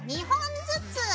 ２本ずつ。